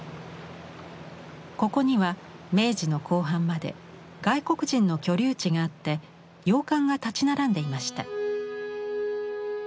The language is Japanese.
ここには明治の後半まで外国人の居留地があって洋館が建ち並んでいました。